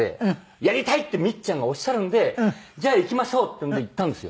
やりたいってみっちゃんがおっしゃるんでじゃあ行きましょうっていうので行ったんですよ。